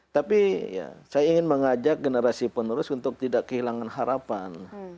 tapi saya ingin mengajak generasi penerus untuk tidak kehilangan harapan